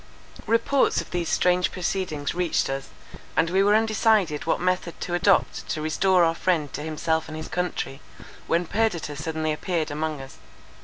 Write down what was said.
Reports of these strange proceedings reached us, and we were undecided what method to adopt to restore our friend to himself and his country, when Perdita suddenly appeared among us.